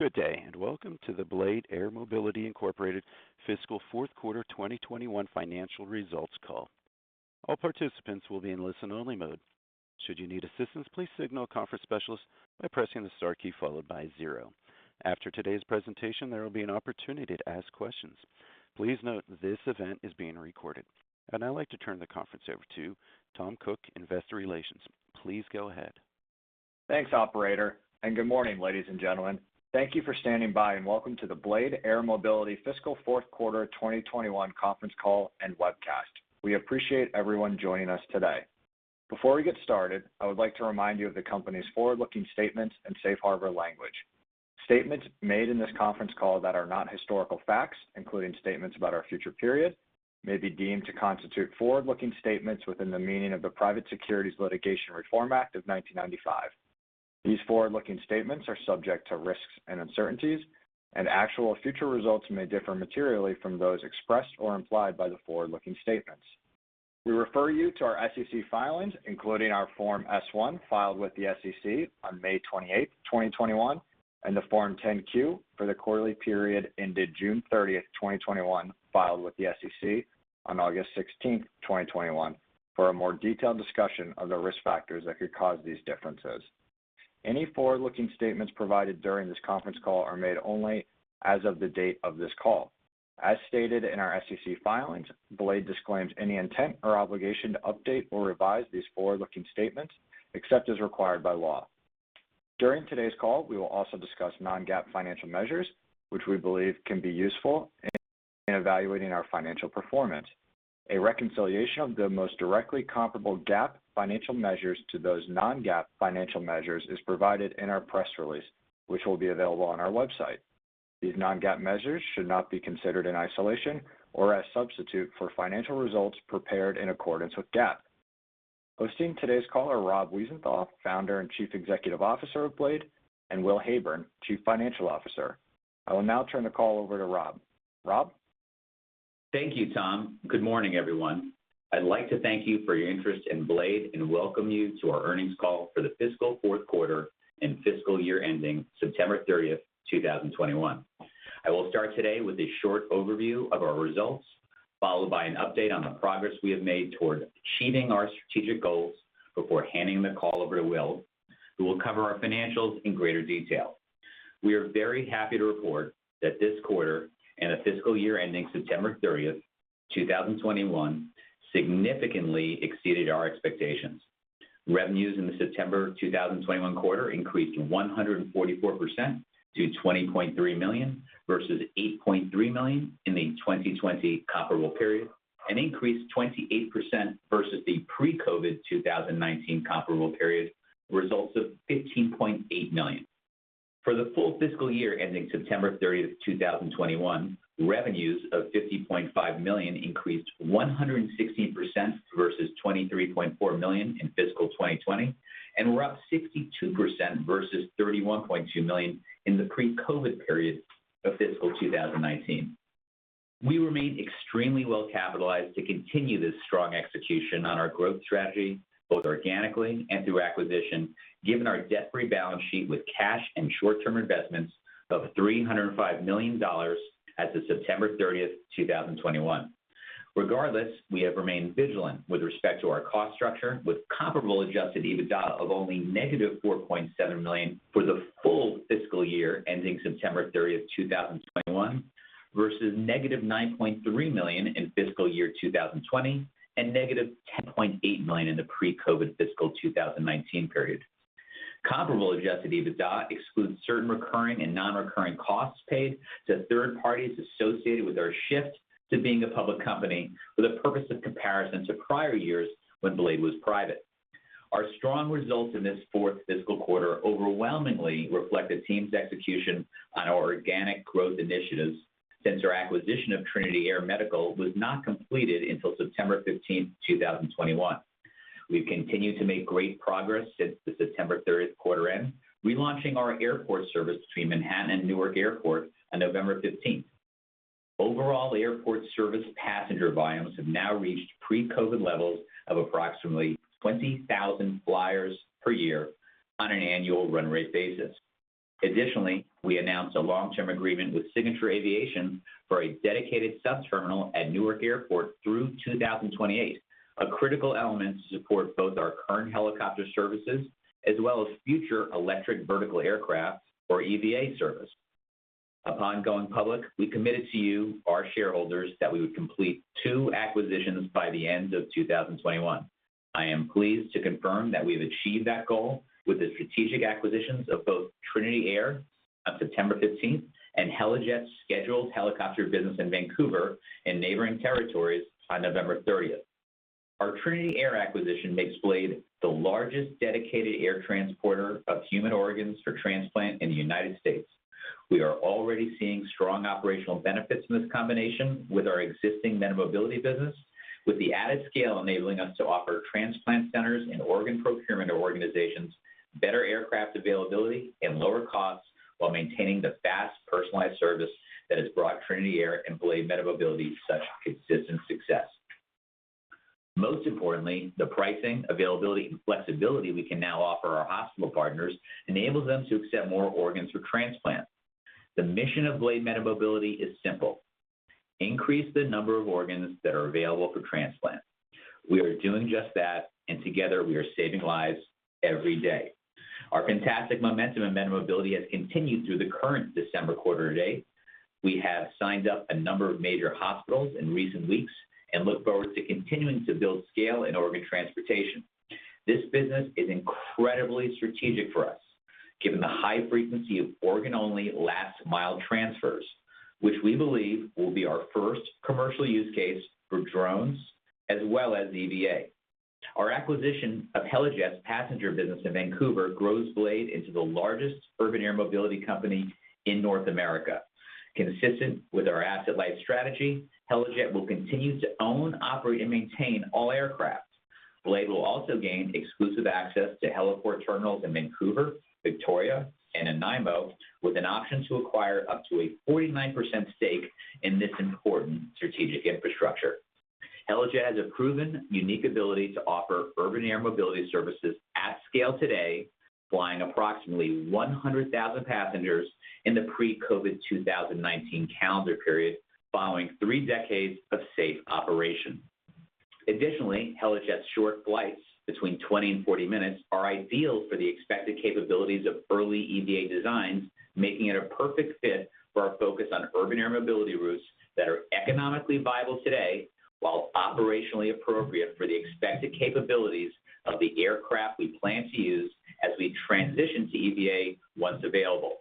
Good day, and welcome to the Blade Air Mobility fiscal fourth quarter 2021 financial results call. All participants will be in listen-only mode. Should you need assistance, please signal a conference specialist by pressing the star key followed by zero. After today's presentation, there will be an opportunity to ask questions. Please note this event is being recorded. I'd now like to turn the conference over to Tom Cook, Investor Relations. Please go ahead. Thanks, operator, and good morning, ladies and gentlemen. Thank you for standing by, and welcome to the Blade Air Mobility fiscal fourth quarter 2021 conference call and webcast. We appreciate everyone joining us today. Before we get started, I would like to remind you of the company's forward-looking statements and safe harbor language. Statements made in this conference call that are not historical facts, including statements about our future period, may be deemed to constitute forward-looking statements within the meaning of the Private Securities Litigation Reform Act of 1995. These forward-looking statements are subject to risks and uncertainties, and actual future results may differ materially from those expressed or implied by the forward-looking statements. We refer you to our SEC filings, including our Form S-1 filed with the SEC on May 28, 2021, and the Form 10-Q for the quarterly period ended June 30, 2021, filed with the SEC on August 16, 2021, for a more detailed discussion of the risk factors that could cause these differences. Any forward-looking statements provided during this conference call are made only as of the date of this call. As stated in our SEC filings, Blade disclaims any intent or obligation to update or revise these forward-looking statements except as required by law. During today's call, we will also discuss non-GAAP financial measures which we believe can be useful in evaluating our financial performance. A reconciliation of the most directly comparable GAAP financial measures to those non-GAAP financial measures is provided in our press release, which will be available on our website. These non-GAAP measures should not be considered in isolation or as substitute for financial results prepared in accordance with GAAP. Hosting today's call are Rob Wiesenthal, Founder and Chief Executive Officer of Blade, and Will Heyburn, Chief Financial Officer. I will now turn the call over to Rob. Rob? Thank you, Tom. Good morning, everyone. I'd like to thank you for your interest in Blade and welcome you to our earnings call for the fiscal fourth quarter and fiscal year ending September 30th, 2021. I will start today with a short overview of our results, followed by an update on the progress we have made toward achieving our strategic goals before handing the call over to Will, who will cover our financials in greater detail. We are very happy to report that this quarter and the fiscal year ending September 30th, 2021, significantly exceeded our expectations. Revenues in the September 2021 quarter increased 144% to $20.3 million, versus $8.3 million in the 2020 comparable period, and increased 28% versus the pre-COVID 2019 comparable period results of $15.8 million. For the full fiscal year ending September 30th, 2021, revenues of $50.5 million increased 160% versus $23.4 million in fiscal 2020, and were up 62% versus $31.2 million in the pre-COVID period of fiscal 2019. We remain extremely well capitalized to continue this strong execution on our growth strategy, both organically and through acquisition, given our debt-free balance sheet with cash and short-term investments of $305 million as of September 30th, 2021. Regardless, we have remained vigilant with respect to our cost structure with comparable Adjusted EBITDA of only negative $4.7 million for the full fiscal year ending September 30th, 2021, versus negative $9.3 million in fiscal year 2020 and negative $10.8 million in the pre-COVID fiscal 2019 period. Comparable Adjusted EBITDA excludes certain recurring and non-recurring costs paid to third parties associated with our shift to being a public company for the purpose of comparison to prior years when Blade was private. Our strong results in this fourth fiscal quarter overwhelmingly reflect the team's execution on our organic growth initiatives since our acquisition of Trinity Air Medical was not completed until September 15th, 2021. We've continued to make great progress since the September 30 quarter end, relaunching our airport service between Manhattan and Newark Airport on November 15th. Overall airport service passenger volumes have now reached pre-COVID levels of approximately 20,000 flyers per year on an annual run rate basis. Additionally, we announced a long-term agreement with Signature Aviation for a dedicated sub-terminal at Newark Airport through 2028, a critical element to support both our current helicopter services as well as future electric vertical aircraft or EVA service. Upon going public, we committed to you, our shareholders, that we would complete two acquisitions by the end of 2021. I am pleased to confirm that we have achieved that goal with the strategic acquisitions of both Trinity Air on September 15th and Helijet's scheduled helicopter business in Vancouver and neighboring territories on November 30th. Our Trinity Air acquisition makes Blade the largest dedicated air transporter of human organs for transplant in the United States. We are already seeing strong operational benefits in this combination with our existing MediMobility business, with the added scale enabling us to offer transplant centers and organ procurement organizations better aircraft availability and lower costs while maintaining the fast, personalized service that has brought Trinity Air and Blade MediMobility such consistent success. Most importantly, the pricing, availability, and flexibility we can now offer our hospital partners enables them to accept more organs for transplant. The mission of Blade MediMobility is simple, increase the number of organs that are available for transplant. We are doing just that, and together we are saving lives every day. Our fantastic momentum in MediMobility has continued through the current December quarter-to-date. We have signed up a number of major hospitals in recent weeks and look forward to continuing to build scale in organ transportation. This business is incredibly strategic for us, given the high frequency of organ only last mile transfers, which we believe will be our first commercial use case for drones as well as EVA. Our acquisition of Helijet's passenger business in Vancouver grows Blade into the largest urban air mobility company in North America. Consistent with our asset light strategy, Helijet will continue to own, operate, and maintain all aircraft. Blade will also gain exclusive access to heliport terminals in Vancouver, Victoria and Nanaimo, with an option to acquire up to a 49% stake in this important strategic infrastructure. Helijet has a proven unique ability to offer urban air mobility services at scale today, flying approximately 100,000 passengers in the pre-COVID-19 2019 calendar period, following three decades of safe operation. Additionally, Helijet's short flights between 20-40 minutes are ideal for the expected capabilities of early EVA designs, making it a perfect fit for our focus on urban air mobility routes that are economically viable today, while operationally appropriate for the expected capabilities of the aircraft we plan to use as we transition to EVA once available.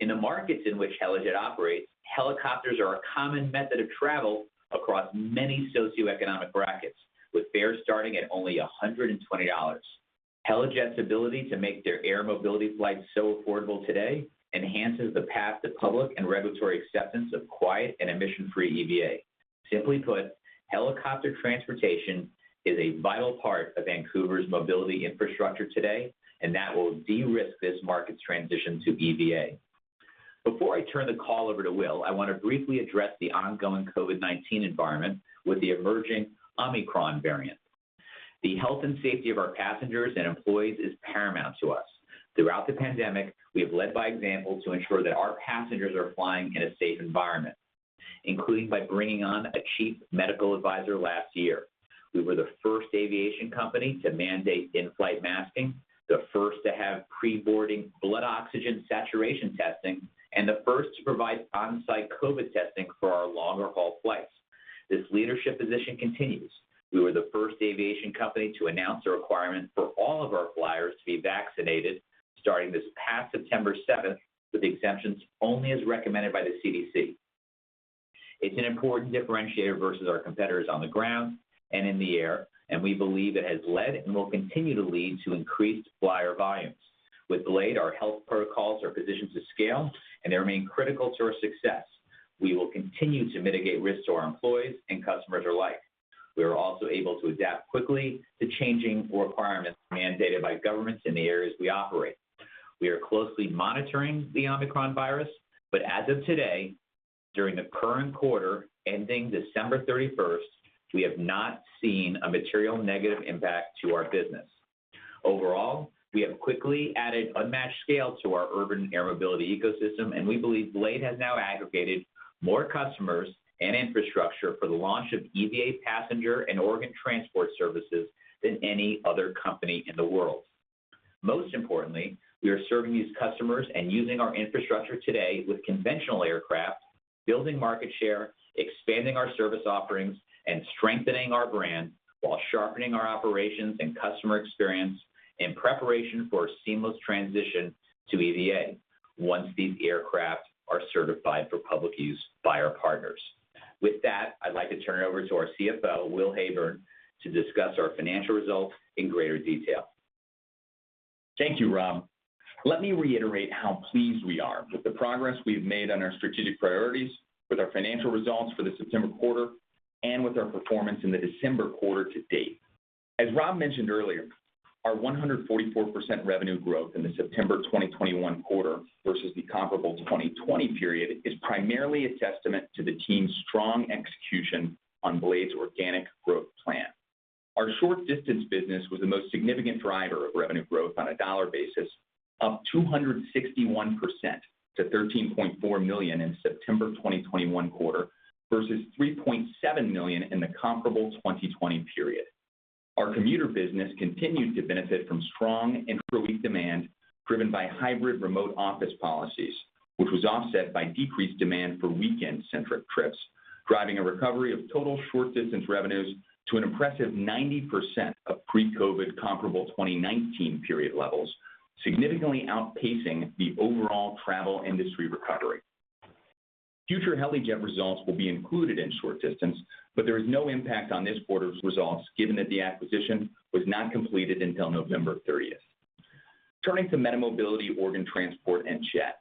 In the markets in which Helijet operates, helicopters are a common method of travel across many socioeconomic brackets, with fares starting at only $120. Helijet's ability to make their air mobility flights so affordable today enhances the path to public and regulatory acceptance of quiet and emission free EVA. Simply put, helicopter transportation is a vital part of Vancouver's mobility infrastructure today, and that will de-risk this market's transition to EVA. Before I turn the call over to Will, I want to briefly address the ongoing COVID-19 environment with the emerging Omicron variant. The health and safety of our passengers and employees is paramount to us. Throughout the pandemic, we have led by example to ensure that our passengers are flying in a safe environment, including by bringing on a chief medical advisor last year. We were the first aviation company to mandate in-flight masking, the first to have pre-boarding blood oxygen saturation testing, and the first to provide on-site COVID testing for our longer haul flights. This leadership position continues. We were the first aviation company to announce a requirement for all of our flyers to be vaccinated starting this past September 7, with exemptions only as recommended by the CDC. It's an important differentiator versus our competitors on the ground and in the air, and we believe it has led and will continue to lead to increased flyer volumes. With Blade, our health protocols are positioned to scale and they remain critical to our success. We will continue to mitigate risks to our employees and customers alike. We are also able to adapt quickly to changing requirements mandated by governments in the areas we operate. We are closely monitoring the Omicron virus, but as of today, during the current quarter ending December 31st, we have not seen a material negative impact to our business. Overall, we have quickly added unmatched scale to our urban air mobility ecosystem, and we believe Blade has now aggregated more customers and infrastructure for the launch of EVA passenger and organ transport services than any other company in the world. Most importantly, we are serving these customers and using our infrastructure today with conventional aircraft, building market share, expanding our service offerings, and strengthening our brand while sharpening our operations and customer experience in preparation for a seamless transition to EVA once these aircraft are certified for public use by our partners. With that, I'd like to turn it over to our CFO, Will Heyburn, to discuss our financial results in greater detail. Thank you, Rob. Let me reiterate how pleased we are with the progress we've made on our strategic priorities, with our financial results for the September quarter and with our performance in the December quarter to date. As Rob mentioned earlier, our 144% revenue growth in the September 2021 quarter versus the comparable 2020 period is primarily a testament to the team's strong execution on Blade's organic growth plan. Our short distance business was the most significant driver of revenue growth on a dollar basis, up 261% to $13.4 million in September 2021 quarter versus $3.7 million in the comparable 2020 period. Our commuter business continued to benefit from strong midweek demand driven by hybrid remote office policies, which was offset by decreased demand for weekend-centric trips, driving a recovery of total short-distance revenues to an impressive 90% of pre-COVID-19 comparable 2019 period levels, significantly outpacing the overall travel industry recovery. Future Helijet results will be included in short-distance, but there is no impact on this quarter's results given that the acquisition was not completed until November 30th. Turning to MediMobility, organ transport and jet.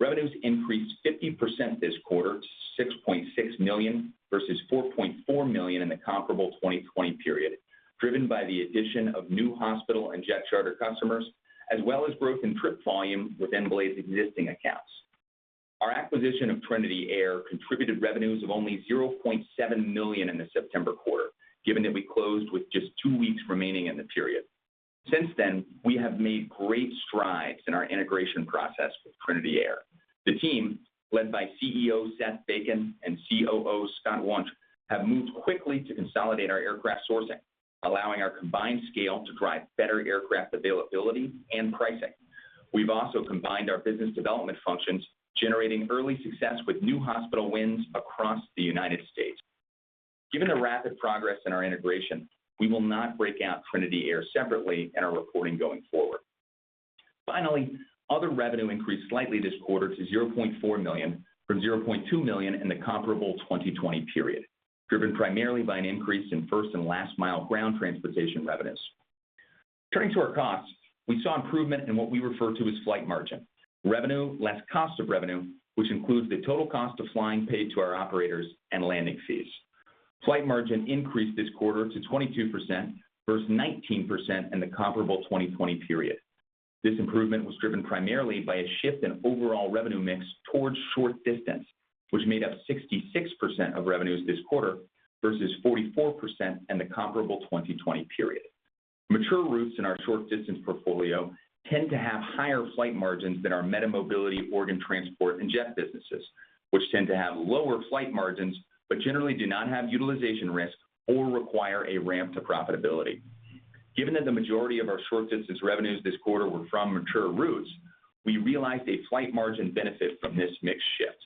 Revenues increased 50% this quarter to $6.6 million versus $4.4 million in the comparable 2020 period, driven by the addition of new hospital and jet charter customers, as well as growth in trip volume within Blade's existing accounts. Our acquisition of Trinity Air contributed revenues of only $0.7 million in the September quarter, given that we closed with just two weeks remaining in the period. Since then, we have made great strides in our integration process with Trinity Air. The team, led by CEO Seth Bacon and COO Scott Wunsch, have moved quickly to consolidate our aircraft sourcing, allowing our combined scale to drive better aircraft availability and pricing. We've also combined our business development functions, generating early success with new hospital wins across the United States. Given the rapid progress in our integration, we will not break out Trinity Air separately in our reporting going forward. Finally, other revenue increased slightly this quarter to $0.4 million from $0.2 million in the comparable 2020 period, driven primarily by an increase in first and last mile ground transportation revenues. Turning to our costs, we saw improvement in what we refer to as flight margin, revenue less cost of revenue, which includes the total cost of flying paid to our operators and landing fees. Flight margin increased this quarter to 22% versus 19% in the comparable 2020 period. This improvement was driven primarily by a shift in overall revenue mix towards short distance, which made up 66% of revenues this quarter versus 44% in the comparable 2020 period. Mature routes in our short distance portfolio tend to have higher flight margins than our MediMobility organ transport and jet businesses, which tend to have lower flight margins, but generally do not have utilization risk or require a ramp to profitability. Given that the majority of our short distance revenues this quarter were from mature routes, we realized a flight margin benefit from this mix shift.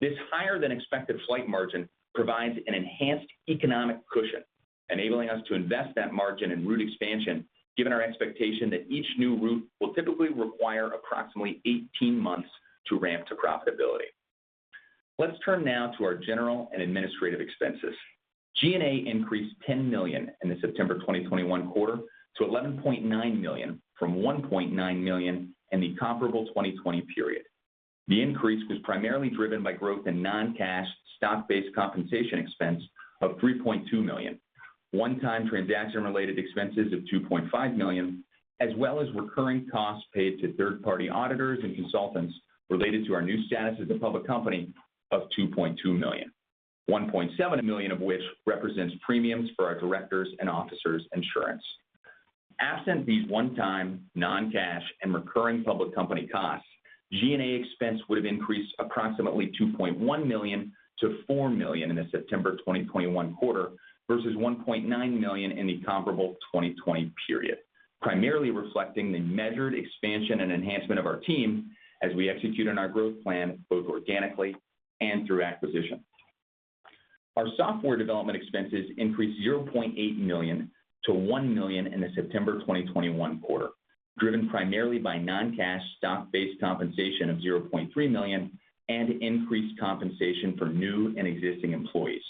This higher than expected flight margin provides an enhanced economic cushion, enabling us to invest that margin in route expansion given our expectation that each new route will typically require approximately 18 months to ramp to profitability. Let's turn now to our general and administrative expenses. G&A increased $10 million in the September 2021 quarter to $11.9 million from $1.9 million in the comparable 2020 period. The increase was primarily driven by growth in non-cash stock-based compensation expense of $3.2 million, one-time transaction related expenses of $2.5 million, as well as recurring costs paid to third-party auditors and consultants related to our new status as a public company of $2.2 million, $1.7 million of which represents premiums for our directors and officers insurance. Absent these one-time non-cash and recurring public company costs, G&A expense would have increased approximately $2.1 million-$4 million in the September 2021 quarter versus $1.9 million in the comparable 2020 period, primarily reflecting the measured expansion and enhancement of our team as we execute on our growth plan both organically and through acquisition. Our software development expenses increased $0.8 million to $1 million in the September 2021 quarter, driven primarily by non-cash stock-based compensation of $0.3 million and increased compensation for new and existing employees.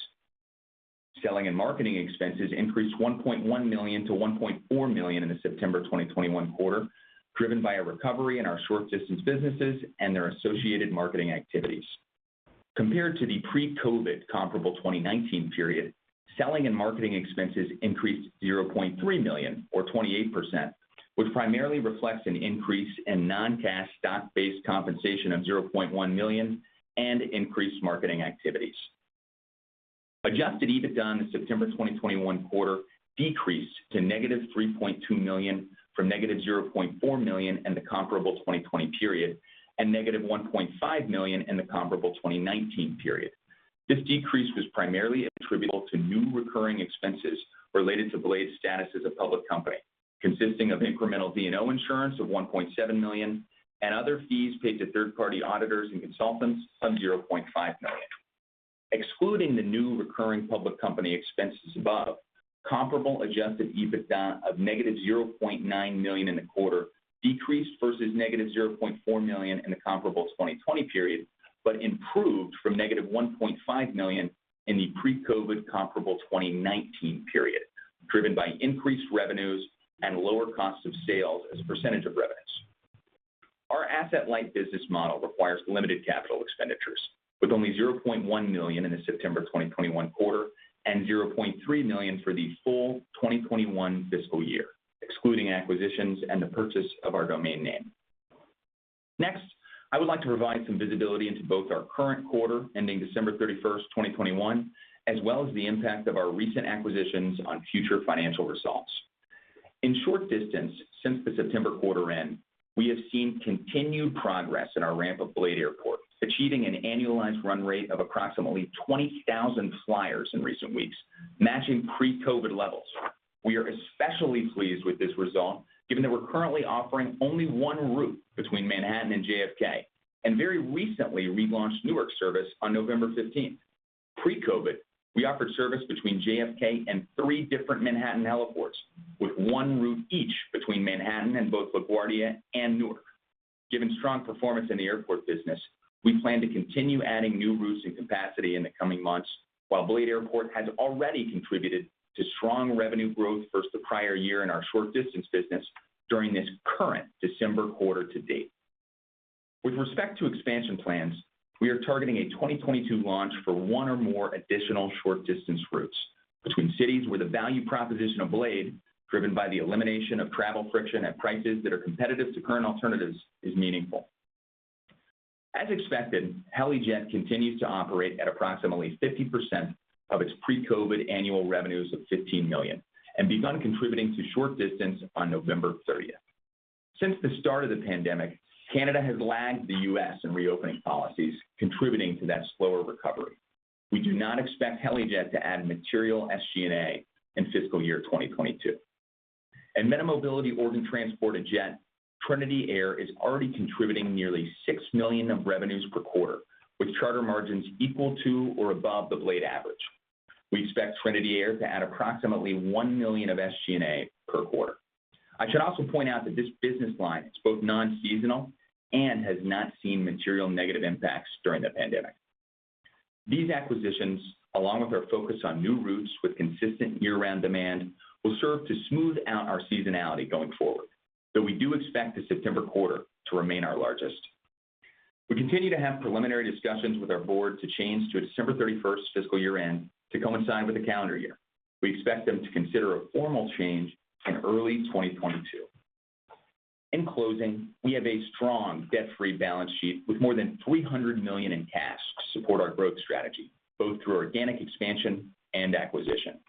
Selling and marketing expenses increased $1.1 million to $1.4 million in the September 2021 quarter, driven by a recovery in our short distance businesses and their associated marketing activities. Compared to the pre-COVID comparable 2019 period, selling and marketing expenses increased $0.3 million or 28%, which primarily reflects an increase in non-cash stock-based compensation of $0.1 million and increased marketing activities. Adjusted EBITDA in the September 2021 quarter decreased to negative $3.2 million from negative $0.4 million in the comparable 2020 period and negative $1.5 million in the comparable 2019 period. This decrease was primarily attributable to new recurring expenses related to Blade's status as a public company, consisting of incremental D&O insurance of $1.7 million and other fees paid to third-party auditors and consultants of $0.5 million. Excluding the new recurring public company expenses above, comparable Adjusted EBITDA of -$0.9 million in the quarter decreased versus -$0.4 million in the comparable 2020 period, but improved from -$1.5 million in the pre-COVID comparable 2019 period, driven by increased revenues and lower cost of sales as a percentage of revenues. Our asset-light business model requires limited capital expenditures with only $0.1 million in the September 2021 quarter and $0.3 million for the full 2021 fiscal year, excluding acquisitions and the purchase of our domain name. Next, I would like to provide some visibility into both our current quarter ending December 31st, 2021, as well as the impact of our recent acquisitions on future financial results. In short, since the September quarter end, we have seen continued progress in our ramp of Blade Airport, achieving an annualized run rate of approximately 20,000 flyers in recent weeks, matching pre-COVID levels. We are especially pleased with this result given that we're currently offering only one route between Manhattan and JFK, and very recently relaunched Newark service on November 15th. Pre-COVID, we offered service between JFK and three different Manhattan heliports with one route each between Manhattan and both LaGuardia and Newark. Given strong performance in the airport business, we plan to continue adding new routes and capacity in the coming months. While Blade Airport has already contributed to strong revenue growth versus the prior year in our short distance business during this current December quarter-to-date. With respect to expansion plans, we are targeting a 2022 launch for one or more additional short distance routes between cities where the value proposition of Blade, driven by the elimination of travel friction at prices that are competitive to current alternatives, is meaningful. As expected, Helijet continues to operate at approximately 50% of its pre-COVID annual revenues of $15 million, and begun contributing to short distance on November 30th. Since the start of the pandemic, Canada has lagged the U.S. in reopening policies, contributing to that slower recovery. We do not expect Helijet to add material SG&A in fiscal year 2022. In MediMobility organ transport at Jet, Trinity Air is already contributing nearly $6 million of revenues per quarter, with charter margins equal to or above the Blade average. We expect Trinity Air to add approximately $1 million of SG&A per quarter. I should also point out that this business line is both non-seasonal and has not seen material negative impacts during the pandemic. These acquisitions, along with our focus on new routes with consistent year-round demand, will serve to smooth out our seasonality going forward, though we do expect the September quarter to remain our largest. We continue to have preliminary discussions with our board to change to a December 31st fiscal year-end to coincide with the calendar year. We expect them to consider a formal change in early 2022. In closing, we have a strong debt-free balance sheet with more than $300 million in cash to support our growth strategy, both through organic expansion and acquisition.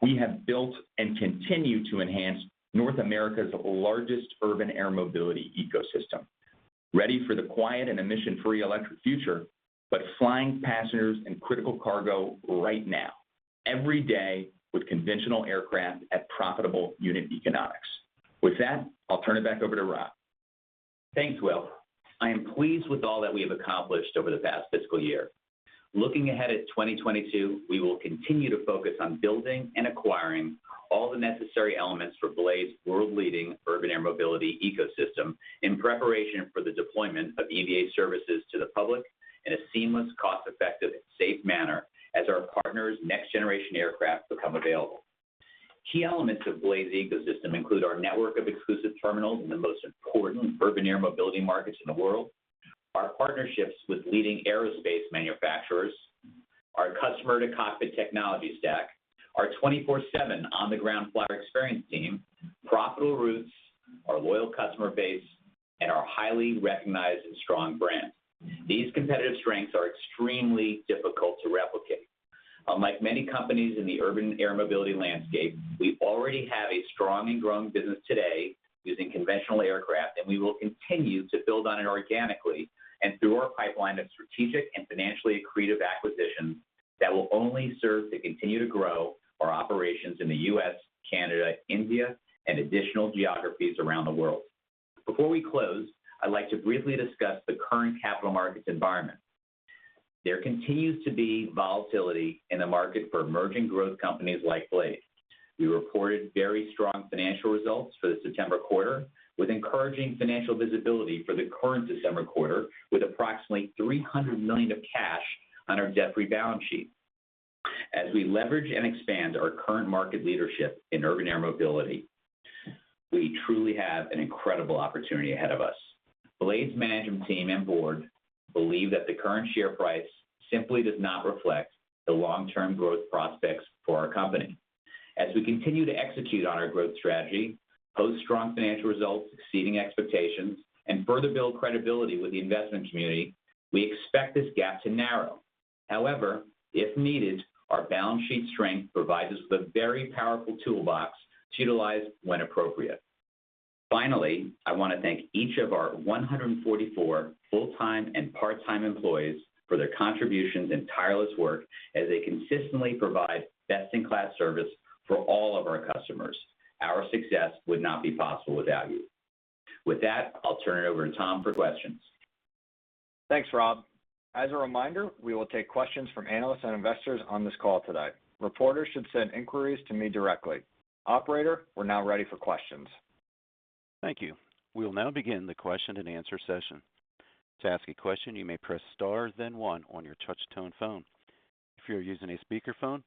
We have built and continue to enhance North America's largest urban air mobility ecosystem, ready for the quiet and emission-free electric future, but flying passengers and critical cargo right now every day with conventional aircraft at profitable unit economics. With that, I'll turn it back over to Rob. Thanks, Will. I am pleased with all that we have accomplished over the past fiscal year. Looking ahead at 2022, we will continue to focus on building and acquiring all the necessary elements for Blade's world-leading urban air mobility ecosystem in preparation for the deployment of EVA services to the public in a seamless, cost-effective, and safe manner as our partners' next-generation aircraft become available. Key elements of Blade's ecosystem include our network of exclusive terminals in the most important urban air mobility markets in the world, our partnerships with leading aerospace manufacturers, our customer-to-cockpit technology stack, our 24/7 on-the-ground flyer experience team, profitable routes, our loyal customer base, and our highly recognized and strong brand. These competitive strengths are extremely difficult to replicate. Unlike many companies in the urban air mobility landscape, we already have a strong and growing business today using conventional aircraft, and we will continue to build on it organically and through our pipeline of strategic and financially accretive acquisitions that will only serve to continue to grow our operations in the U.S., Canada, India, and additional geographies around the world. Before we close, I'd like to briefly discuss the current capital markets environment. There continues to be volatility in the market for emerging growth companies like Blade. We reported very strong financial results for the September quarter, with encouraging financial visibility for the current December quarter, with approximately $300 million of cash on our debt-free balance sheet. As we leverage and expand our current market leadership in urban air mobility, we truly have an incredible opportunity ahead of us. Blade's management team and board believe that the current share price simply does not reflect the long-term growth prospects for our company. As we continue to execute on our growth strategy, post strong financial results exceeding expectations, and further build credibility with the investment community, we expect this gap to narrow. However, if needed, our balance sheet strength provides us with a very powerful toolbox to utilize when appropriate. Finally, I want to thank each of our 144 full-time and part-time employees for their contributions and tireless work as they consistently provide best-in-class service for all of our customers. Our success would not be possible without you. With that, I'll turn it over to Tom for questions. Thanks, Rob. As a reminder, we will take questions from analysts and investors on this call today. Reporters should send inquiries to me directly. Operator, we're now ready for questions. Thank you. We will now begin the question and answer session. To ask a question, you may press star then one on your touch-tone phone. If you are using a speakerphone,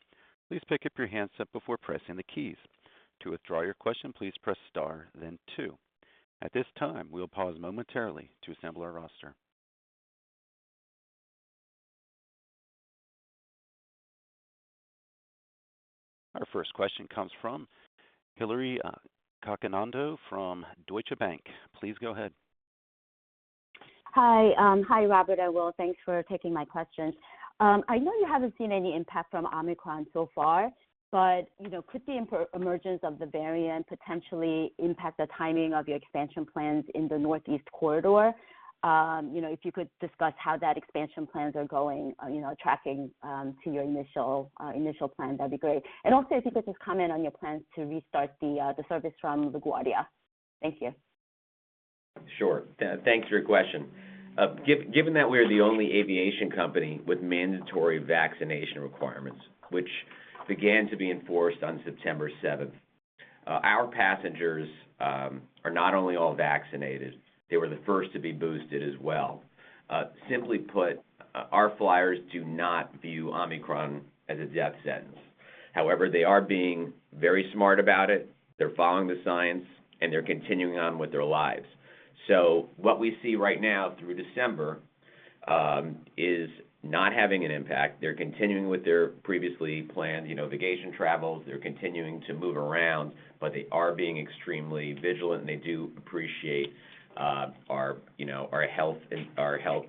please pick up your handset before pressing the keys. To withdraw your question, please press star then two. At this time, we will pause momentarily to assemble our roster. Our first question comes from Hillary Cacanando from Deutsche Bank. Please go ahead. Hi, Rob and Will. Thanks for taking my questions. I know you haven't seen any impact from Omicron so far, but you know, could the emergence of the variant potentially impact the timing of your expansion plans in the Northeast Corridor? You know, if you could discuss how that expansion plans are going, you know, tracking to your initial plan, that'd be great. Also if you could just comment on your plans to restart the service from LaGuardia. Thank you. Sure. Thanks for your question. Given that we are the only aviation company with mandatory vaccination requirements, which began to be enforced on September 7th, our passengers are not only all vaccinated, they were the first to be boosted as well. Simply put, our flyers do not view Omicron as a death sentence. However, they are being very smart about it, they're following the science, and they're continuing on with their lives. What we see right now through December is not having an impact. They're continuing with their previously planned, you know, vacation travels. They're continuing to move around, but they are being extremely vigilant, and they do appreciate, you know, our health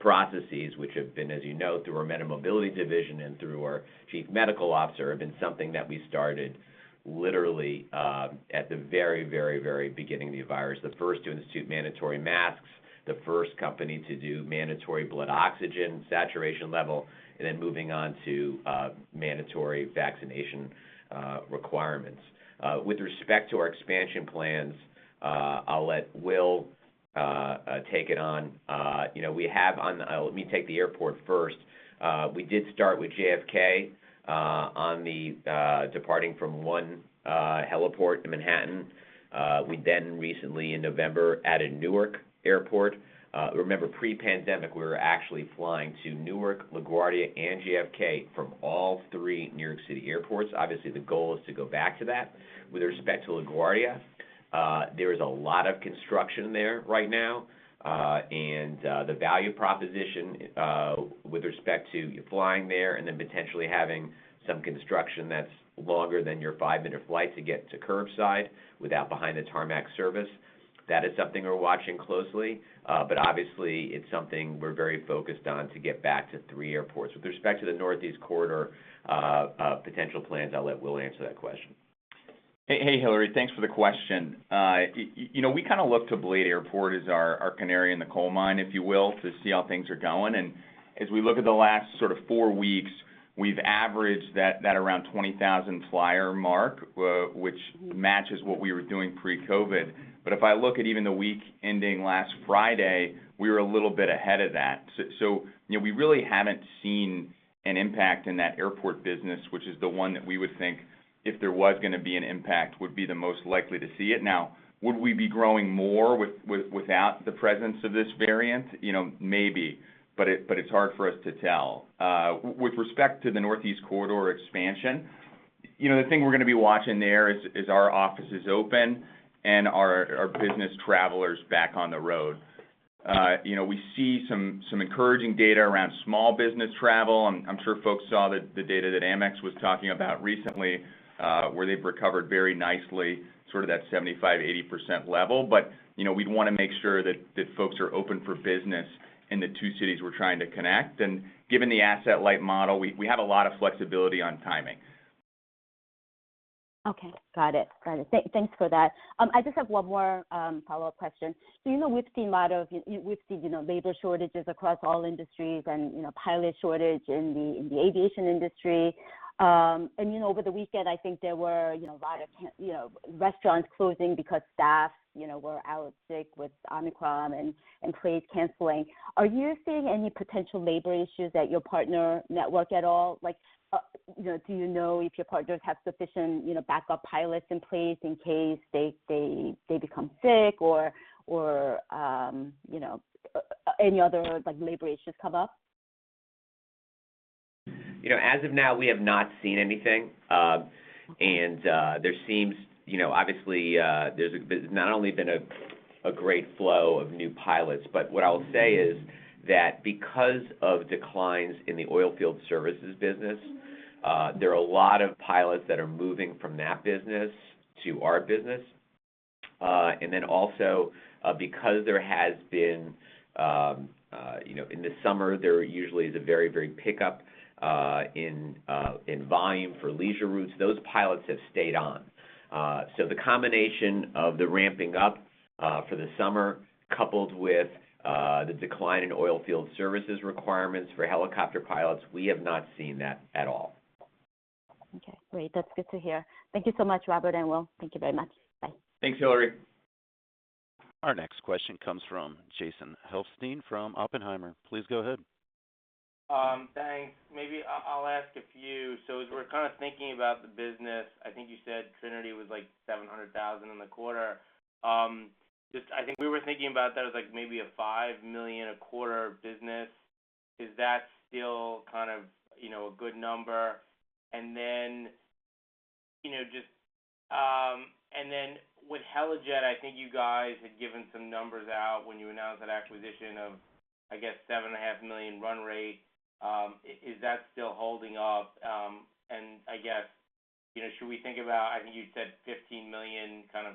processes, which have been, as you know, through our MediMobility division and through our Chief Medical Officer, have been something that we started literally at the very beginning of the virus. The first to institute mandatory masks, the first company to do mandatory blood oxygen saturation level, and then moving on to mandatory vaccination requirements. With respect to our expansion plans, I'll let Will take it on. You know, let me take the airport first. We did start with JFK on the departing from one heliport in Manhattan. We recently in November added Newark Airport. Remember pre-pandemic, we were actually flying to Newark, LaGuardia, and JFK from all three New York City airports. Obviously, the goal is to go back to that. With respect to LaGuardia, there is a lot of construction there right now, and the value proposition with respect to flying there and then potentially having some construction that's longer than your five-minute flight to get to curbside without behind the tarmac service, that is something we're watching closely. Obviously, it's something we're very focused on to get back to three airports. With respect to the Northeast Corridor, potential plans, I'll let Will answer that question. Hey, Hillary. Thanks for the question. You know, we look to Blade Airport as our canary in the coal mine, if you will, to see how things are going. As we look at the last sort of four weeks, we've averaged that around 20,000 flyer mark, which matches what we were doing pre-COVID. If I look at even the week ending last Friday, we were a little bit ahead of that. You know, we really haven't seen an impact in that airport business, which is the one that we would think if there was gonna be an impact, would be the most likely to see it. Now, would we be growing more without the presence of this variant? You know, maybe, but it's hard for us to tell. With respect to the Northeast Corridor expansion, you know, the thing we're gonna be watching there is our offices open and are our business travelers back on the road? You know, we see some encouraging data around small business travel. I'm sure folks saw the data that Amex was talking about recently, where they've recovered very nicely, sort of that 75%-80% level. You know, we'd wanna make sure that folks are open for business in the two cities we're trying to connect. Given the asset-light model, we have a lot of flexibility on timing. Okay. Got it. Thanks for that. I just have one more follow-up question. You know, we've seen labor shortages across all industries and, you know, pilot shortage in the aviation industry. You know, over the weekend, I think there were a lot of, you know, restaurants closing because staff were out sick with Omicron and flights canceling. Are you seeing any potential labor issues at your partner network at all? Like, you know, do you know if your partners have sufficient backup pilots in place in case they become sick or any other labor issues come up? You know, as of now, we have not seen anything. You know, obviously, there's not only been a great flow of new pilots, but what I'll say is that because of declines in the oilfield services business, there are a lot of pilots that are moving from that business to our business. And then also, because there has been, you know, in the summer, there usually is a very big pickup in volume for leisure routes. Those pilots have stayed on. So the combination of the ramping up for the summer, coupled with the decline in oilfield services requirements for helicopter pilots, we have not seen that at all. Okay, great. That's good to hear. Thank you so much, Rob and Will. Thank you very much. Bye. Thanks, Hillary. Our next question comes from Jason Helfstein from Oppenheimer. Please go ahead. Thanks. Maybe I'll ask a few. As we're kind of thinking about the business, I think you said Trinity was, like, $700,000 in the quarter. I think we were thinking about that as, like, maybe a $5 million a quarter business. Is that still kind of, you know, a good number? Then, you know, just with Helijet, I think you guys had given some numbers out when you announced that acquisition of, I guess, $7.5 million run rate. Is that still holding up? I guess, you know, should we think about? I think you said $15 million kind of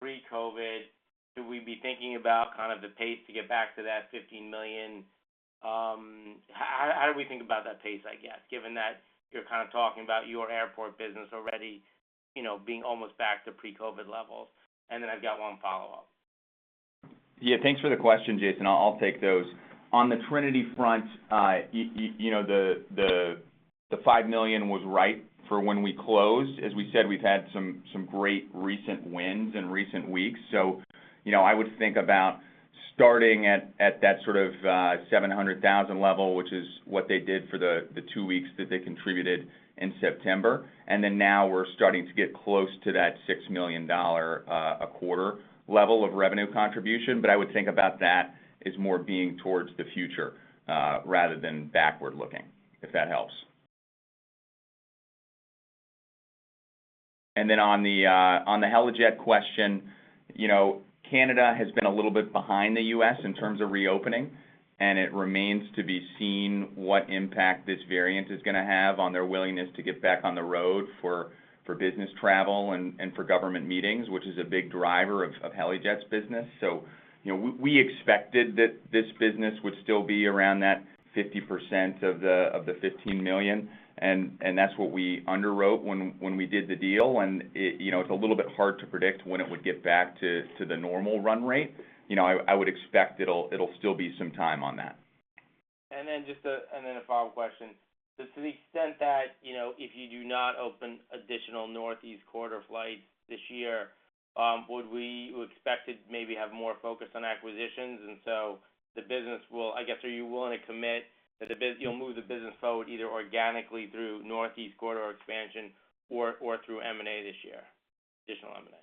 pre-COVID. Should we be thinking about kind of the pace to get back to that $15 million? How do we think about that pace, I guess, given that you're kind of talking about your airport business already, you know, being almost back to pre-COVID levels? I've got one follow-up. Yeah. Thanks for the question, Jason. I'll take those. On the Trinity front, you know, the $5 million was right for when we closed. As we said, we've had some great recent wins in recent weeks. You know, I would think about starting at that sort of $700,000 level, which is what they did for the two weeks that they contributed in September. Now we're starting to get close to that $6 million a quarter level of revenue contribution. I would think about that as more being towards the future, rather than backward-looking, if that helps. Then on the Helijet question, you know, Canada has been a little bit behind the U.S. in terms of reopening, and it remains to be seen what impact this variant is gonna have on their willingness to get back on the road for business travel and for government meetings, which is a big driver of Helijet's business. You know, we expected that this business would still be around that 50% of the 15 million, and that's what we underwrote when we did the deal. It, you know, it's a little bit hard to predict when it would get back to the normal run rate. You know, I would expect it'll still be some time on that. A follow-up question. To the extent that, you know, if you do not open additional Northeast Corridor flights this year, would you expect to have more focus on acquisitions and so the business will, I guess, are you willing to commit that you'll move the business forward either organically through Northeast Corridor expansion or through M&A this year? Additional M&A.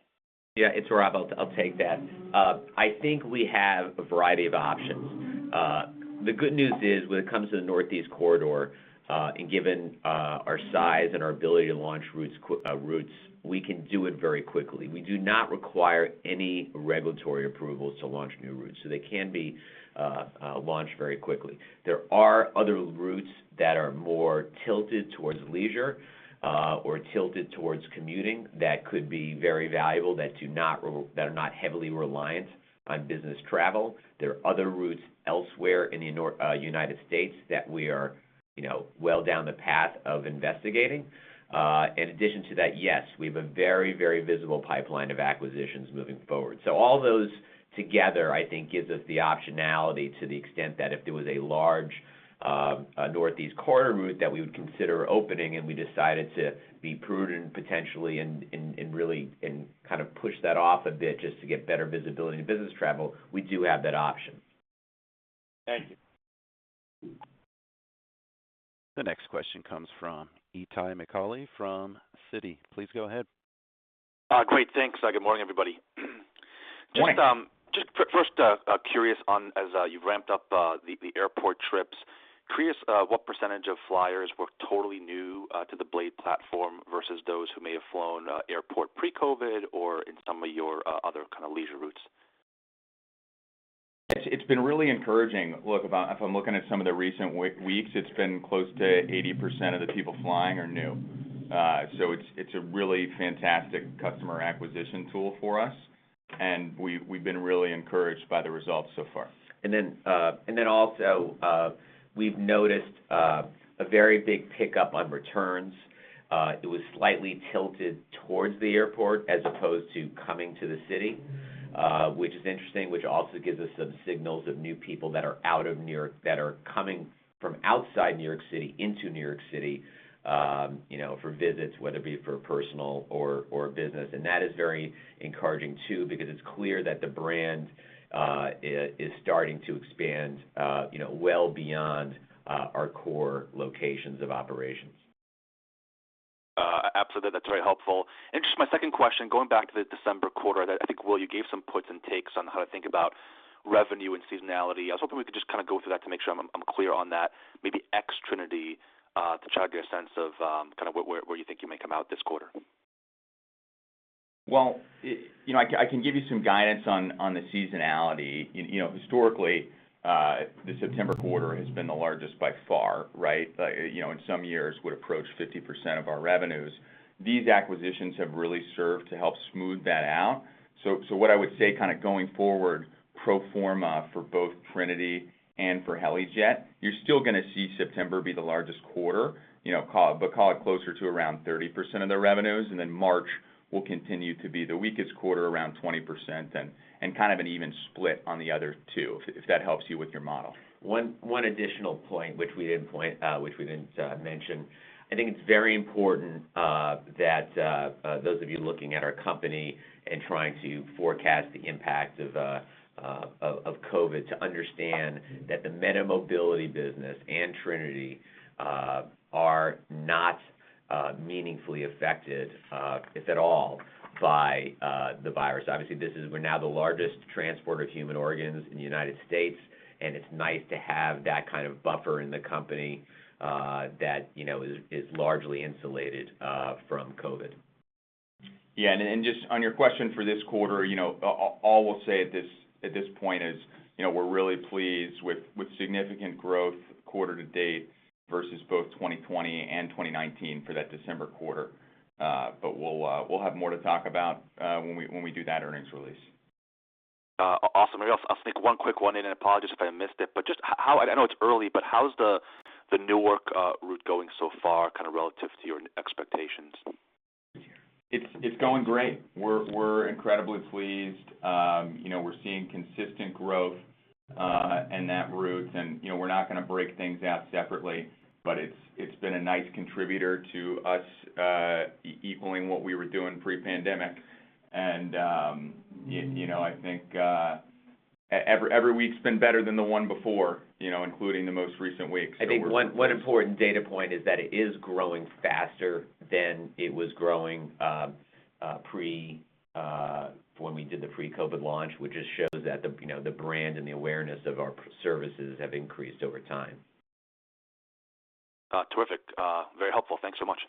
Yeah. It's Rob. I'll take that. I think we have a variety of options. The good news is when it comes to the Northeast Corridor and given our size and our ability to launch routes, we can do it very quickly. We do not require any regulatory approvals to launch new routes, so they can be launched very quickly. There are other routes that are more tilted towards leisure or tilted towards commuting that could be very valuable that are not heavily reliant on business travel. There are other routes elsewhere in the United States that we are, you know, well down the path of investigating. In addition to that, yes, we have a very, very visible pipeline of acquisitions moving forward. All those together I think gives us the optionality to the extent that if there was a large Northeast Corridor route that we would consider opening and we decided to be prudent potentially and really and kind of push that off a bit just to get better visibility to business travel. We do have that option. Thank you. The next question comes from Itay Michaeli from Citi. Please go ahead. Great. Thanks. Good morning, everybody. Morning. First, curious as you ramped up the airport trips. Curious, what percentage of flyers were totally new to the Blade platform versus those who may have flown airport pre-COVID or in some of your other kind of leisure routes? It's been really encouraging. Look, if I'm looking at some of the recent weeks, it's been close to 80% of the people flying are new. So it's a really fantastic customer acquisition tool for us, and we've been really encouraged by the results so far. We've noticed a very big pickup on returns. It was slightly tilted towards the airport as opposed to coming to the city, which is interesting, which also gives us some signals of new people that are coming from outside New York City into New York City, you know, for visits, whether it be for personal or business. That is very encouraging too, because it's clear that the brand is starting to expand, you know, well beyond our core locations of operations. Just my second question, going back to the December quarter, that I think, Will, you gave some puts and takes on how to think about revenue and seasonality. I was hoping we could just kind of go through that to make sure I'm clear on that, maybe ex Trinity, to try and get a sense of kind of where you think you may come out this quarter. You know, I can give you some guidance on the seasonality. You know, historically, the September quarter has been the largest by far, right? You know, in some years would approach 50% of our revenues. These acquisitions have really served to help smooth that out. What I would say kind of going forward, pro forma for both Trinity and for Helijet, you're still gonna see September be the largest quarter, you know, call it closer to around 30% of the revenues, and then March will continue to be the weakest quarter, around 20% and kind of an even split on the other two, if that helps you with your model. One additional point which we didn't mention. I think it's very important that those of you looking at our company and trying to forecast the impact of COVID to understand that the MediMobility business and Trinity are not meaningfully affected, if at all, by the virus. Obviously, we're now the largest transporter of human organs in the United States, and it's nice to have that kind of buffer in the company that you know is largely insulated from COVID. Just on your question for this quarter, you know, all we'll say at this point is, you know, we're really pleased with significant growth quarter to date versus both 2020 and 2019 for that December quarter. We'll have more to talk about when we do that earnings release. Awesome. Maybe I'll sneak one quick one in, and apologies if I missed it, but I know it's early, but how's the Newark route going so far kind of relative to your expectations? It's going great. We're incredibly pleased. You know, we're seeing consistent growth in that route and, you know, we're not gonna break things out separately, but it's been a nice contributor to us, equaling what we were doing pre-pandemic. You know, I think every week's been better than the one before, you know, including the most recent week. We're I think one important data point is that it is growing faster than it was growing when we did the pre-COVID launch, which just shows that the, you know, the brand and the awareness of our services have increased over time. Terrific. Very helpful. Thanks so much.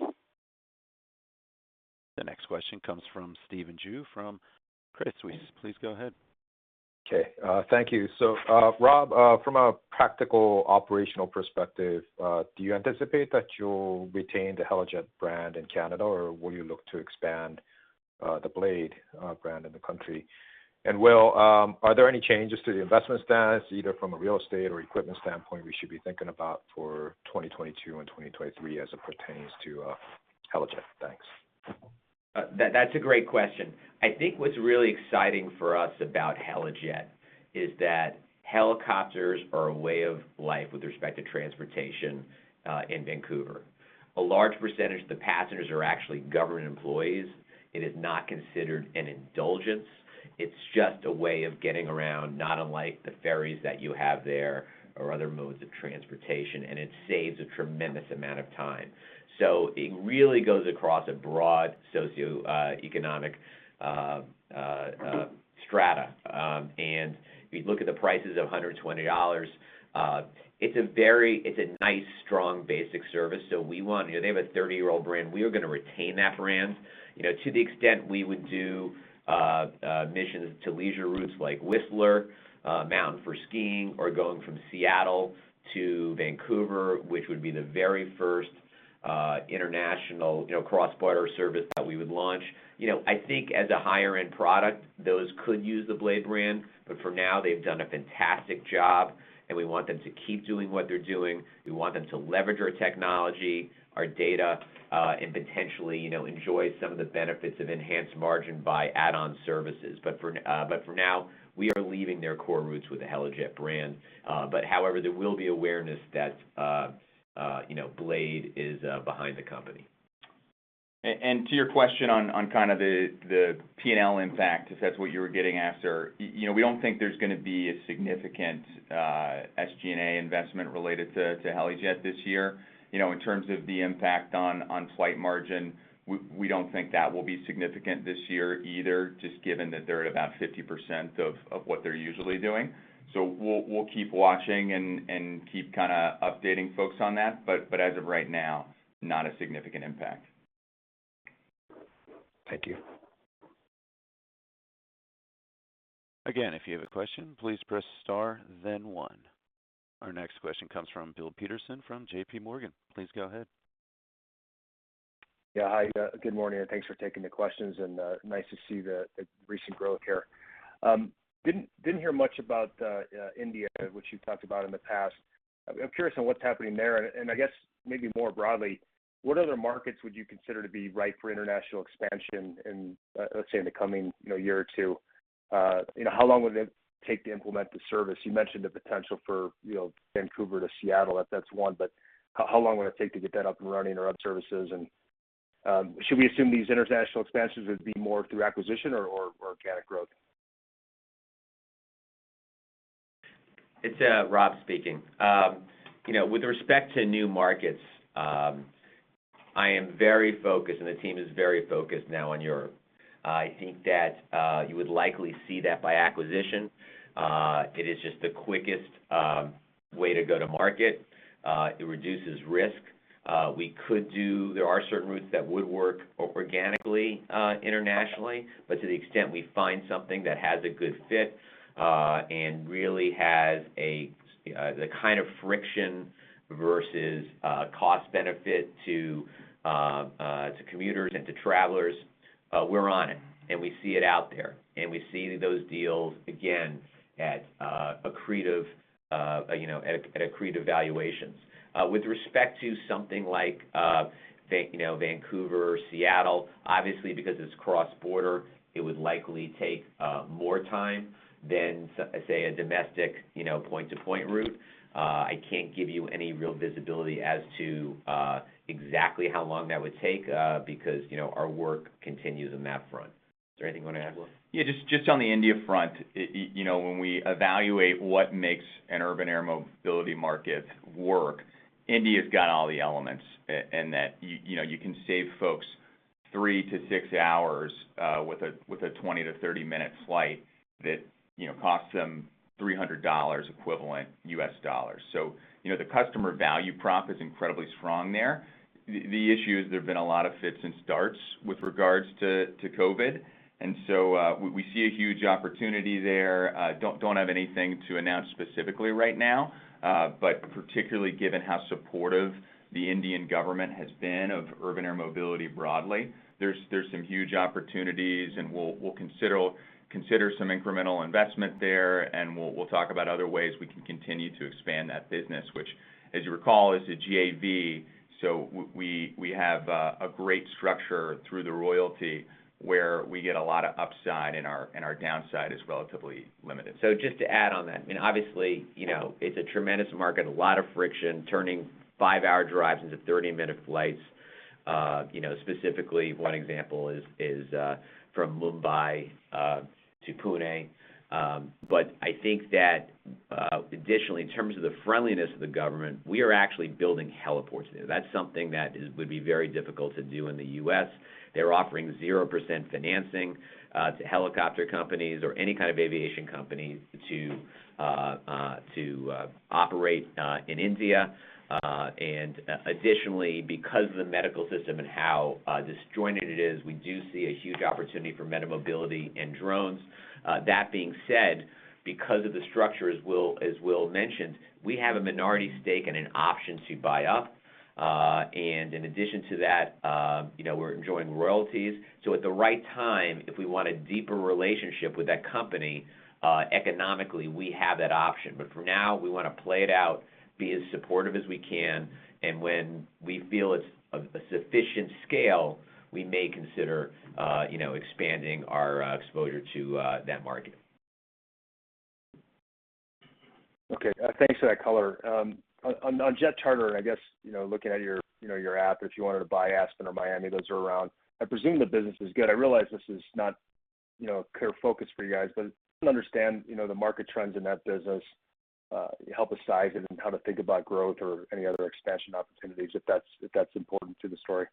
The next question comes from Stephen Ju from Credit Suisse. Please go ahead. Okay. Thank you. Rob, from a practical operational perspective, do you anticipate that you'll retain the Helijet brand in Canada, or will you look to expand the Blade brand in the country? Will, are there any changes to the investment status, either from a real estate or equipment standpoint we should be thinking about for 2022 and 2023 as it pertains to Helijet? Thanks. That's a great question. I think what's really exciting for us about Helijet is that helicopters are a way of life with respect to transportation in Vancouver. A large percentage of the passengers are actually government employees. It is not considered an indulgence, it's just a way of getting around, not unlike the ferries that you have there or other modes of transportation, and it saves a tremendous amount of time. It really goes across a broad socioeconomic strata. And if you look at the prices of $120, it's a very... it's a nice, strong basic service, so we want... You know, they have a 30-year-old brand. We are gonna retain that brand. You know, to the extent we would do missions to leisure routes like Whistler Mountain for skiing or going from Seattle to Vancouver, which would be the very first international, you know, cross-border service that we would launch. You know, I think as a higher end product, those could use the Blade brand, but for now, they've done a fantastic job, and we want them to keep doing what they're doing. We want them to leverage our technology, our data, and potentially, you know, enjoy some of the benefits of enhanced margin by add-on services. For now, we are leaving their core routes with the Helijet brand. However, there will be awareness that, you know, Blade is behind the company. To your question on kind of the P&L impact, if that's what you were getting at, you know, we don't think there's gonna be a significant SG&A investment related to Helijet this year. You know, in terms of the impact on flight margin, we don't think that will be significant this year either, just given that they're at about 50% of what they're usually doing. We'll keep watching and keep kinda updating folks on that. As of right now, not a significant impact. Thank you. Again, if you have a question, please press star then one. Our next question comes from Bill Peterson from JPMorgan. Please go ahead. Yeah. Hi. Good morning, and thanks for taking the questions and nice to see the recent growth here. Didn't hear much about India, which you've talked about in the past. I'm curious on what's happening there, and I guess maybe more broadly, what other markets would you consider to be ripe for international expansion in, let's say in the coming, you know, year or two? You know, how long would it take to implement the service? You mentioned the potential for, you know, Vancouver to Seattle, if that's one, but how long would it take to get that up and running or other services? And should we assume these international expansions would be more through acquisition or organic growth? It's Rob speaking. You know, with respect to new markets, I am very focused, and the team is very focused now on Europe. I think that you would likely see that by acquisition. It is just the quickest way to go to market. It reduces risk. There are certain routes that would work organically internationally, but to the extent we find something that has a good fit, and really has the kind of friction versus cost benefit to commuters and to travelers, we're on it and we see it out there. We see those deals again at accretive, you know, at accretive valuations. With respect to something like, you know, Vancouver, Seattle, obviously because it's cross-border, it would likely take more time than say, a domestic, you know, point-to-point route. I can't give you any real visibility as to exactly how long that would take, because, you know, our work continues on that front. Is there anything you wanna add, Will? Yeah, just on the India front. You know, when we evaluate what makes an urban air mobility market work, India has got all the elements and that you know you can save folks three to six hours with a 20-30 minute flight that you know costs them $300 equivalent US dollars. You know, the customer value prop is incredibly strong there. The issue is there have been a lot of fits and starts with regards to COVID, and we see a huge opportunity there. Don't have anything to announce specifically right now, but particularly given how supportive the Indian government has been of urban air mobility broadly, there's some huge opportunities, and we'll consider some incremental investment there, and we'll talk about other ways we can continue to expand that business, which as you recall is a JV, so we have a great structure through the royalty where we get a lot of upside and our downside is relatively limited. Just to add on that, I mean, obviously, you know, it's a tremendous market, a lot of friction, turning five hour drives into 30-minute flights. Specifically one example is from Mumbai to Pune. Additionally, in terms of the friendliness of the government, we are actually building heliports there. That's something that would be very difficult to do in the U.S. They're offering 0% financing to helicopter companies or any kind of aviation company to operate in India. Additionally, because of the medical system and how disjointed it is, we do see a huge opportunity for MediMobility and drones. That being said, because of the structure, as Will mentioned, we have a minority stake and an option to buy up. In addition to that, you know, we're enjoying royalties. At the right time, if we want a deeper relationship with that company, economically, we have that option. For now, we wanna play it out, be as supportive as we can, and when we feel it's a sufficient scale, we may consider, you know, expanding our exposure to that market. Okay. Thanks for that color. On jet charter, I guess, you know, looking at your, you know, your app, if you wanted to buy Aspen or Miami, those are around. I presume the business is good. I realize this is not, you know, a clear focus for you guys, but I don't understand, you know, the market trends in that business. Help us size it and how to think about growth or any other expansion opportunities if that's important to the story.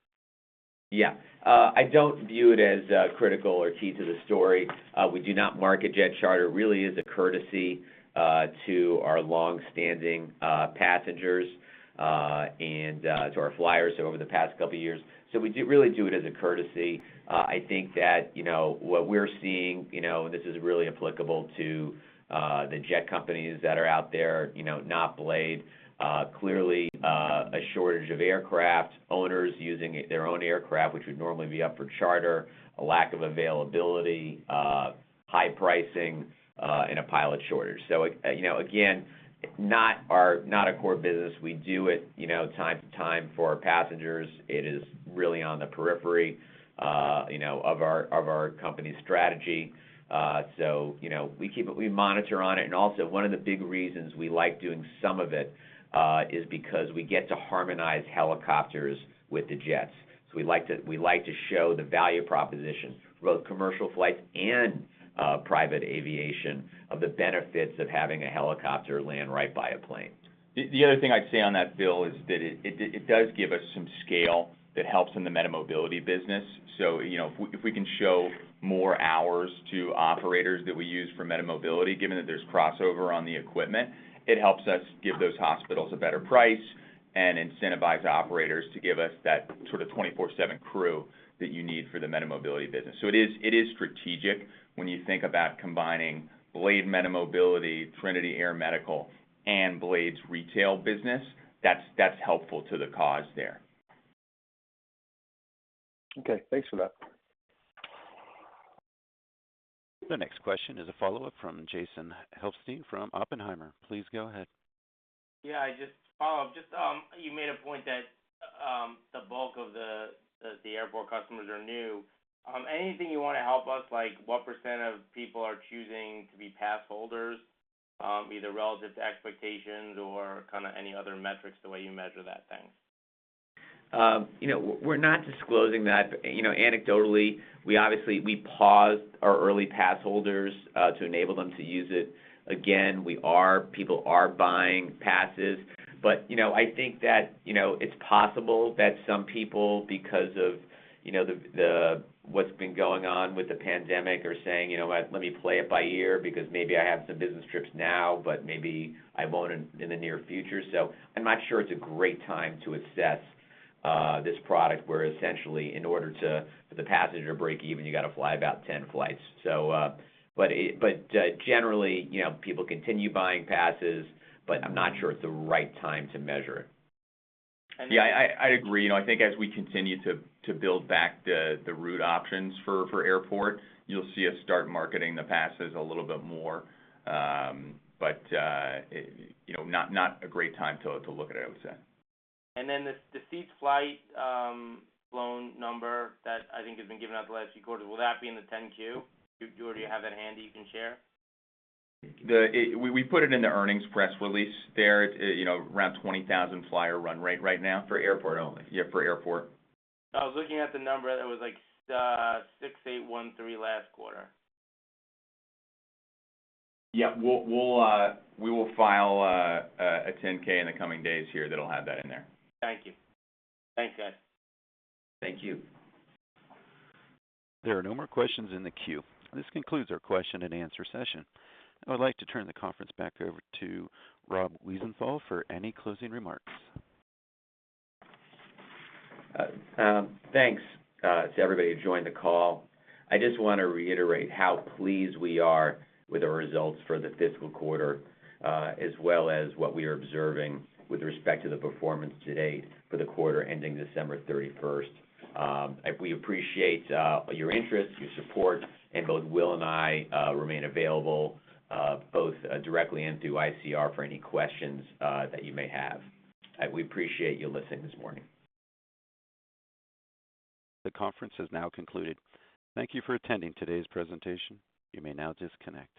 Yeah. I don't view it as critical or key to the story. We do not market jet charter. It really is a courtesy to our long-standing passengers and to our flyers over the past couple of years. So we really do it as a courtesy. I think that, you know, what we're seeing, you know, this is really applicable to the jet companies that are out there, you know, not Blade, clearly, a shortage of aircraft, owners using their own aircraft, which would normally be up for charter, a lack of availability, high pricing, and a pilot shortage. So, you know, again, not a core business. We do it, you know, from time to time for our passengers. It is really on the periphery, you know, of our company's strategy. You know, we keep an eye on it. Also one of the big reasons we like doing some of it is because we get to harmonize helicopters with the jets. We like to show the value proposition, both commercial flights and private aviation of the benefits of having a helicopter land right by a plane. The other thing I'd say on that, Bill, is that it does give us some scale that helps in the MediMobility business. You know, if we can show more hours to operators that we use for MediMobility, given that there's crossover on the equipment, it helps us give those hospitals a better price and incentivize operators to give us that sort of 24/7 crew that you need for the MediMobility business. It is strategic when you think about combining Blade MediMobility, Trinity Air Medical, and Blade's retail business. That's helpful to the cause there. Okay. Thanks for that. The next question is a follow-up from Jason Helfstein from Oppenheimer. Please go ahead. Yeah. Just to follow up, just, you made a point that, the bulk of the airport customers are new. Anything you wanna help us, like what percent of people are choosing to be pass holders, either relative to expectations or kinda any other metrics, the way you measure that thing? You know, we're not disclosing that. You know, anecdotally, we obviously paused our early pass holders to enable them to use it. Again, people are buying passes. You know, I think that, you know, it's possible that some people, because of, you know, what's been going on with the pandemic are saying, "You know what? Let me play it by ear because maybe I have some business trips now, but maybe I won't in the near future." I'm not sure it's a great time to assess this product where essentially in order to, for the passenger breakeven, you gotta fly about 10 flights. Generally, you know, people continue buying passes, but I'm not sure it's the right time to measure it. Yeah. I'd agree. You know, I think as we continue to build back the route options for airport, you'll see us start marketing the passes a little bit more. You know, not a great time to look at it, I would say. The Seated Flight low number that I think has been given out the last few quarters, will that be in the 10-Q? Do you have that handy you can share? We put it in the earnings press release there. It, you know, around 20,000 flyer run rate right now. For airport only. Yeah, for airport. I was looking at the number that was like 6,813 last quarter. Yeah. We'll file a 10-K in the coming days here that'll have that in there. Thank you. Thanks, guys. Thank you. There are no more questions in the queue. This concludes our question and answer session. I would like to turn the conference back over to Rob Wiesenthal for any closing remarks. Thanks to everybody who joined the call. I just wanna reiterate how pleased we are with the results for the fiscal quarter, as well as what we are observing with respect to the performance to date for the quarter ending December 31st. We appreciate your interest, your support, and both Will and I remain available both directly and through ICR for any questions that you may have. We appreciate you listening this morning. The conference has now concluded. Thank you for attending today's presentation. You may now disconnect.